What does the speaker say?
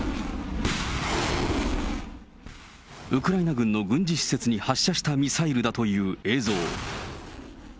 ウクライナ軍の軍事施設に発射したミサイルだという映像。